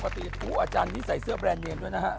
ปกติอาจารย์นี้ใส่เสื้อแบรนด์เนียนด้วยนะครับ